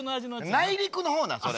内陸の方なそれ。